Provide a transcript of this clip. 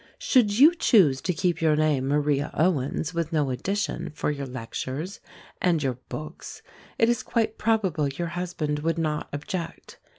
Should you choose to keep your name Maria Owens with no addition, for your lectures and your books, it is quite probable your husband would not object.